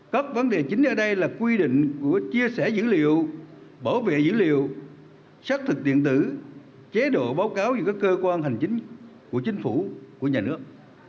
các vấn đề chính ở đây là quy định của chia sẻ dữ liệu bảo vệ dữ liệu xác thực điện tử chế độ báo cáo giữa các cơ quan hành chính của chính phủ của nhà nước